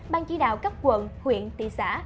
ban chỉ đạo các quận huyện tỷ xã